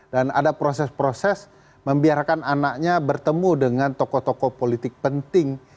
dan ada proses proses membiarkan anaknya bertemu dengan tokoh tokoh politik penting